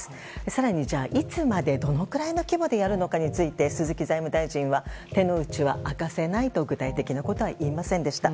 更に、いつまでどのくらいの規模でやるのかについて鈴木財務大臣は、手の内は明かせないと具体的なことは言いませんでした。